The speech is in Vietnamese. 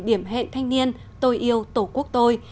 điểm hẹn thanh niên tôi yêu tổ quốc tôi